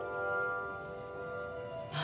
何？